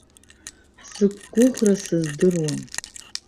Ҳзықәгәыӷра сыздыруам.